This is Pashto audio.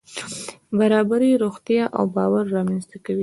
برابري روغتیا او باور رامنځته کوي.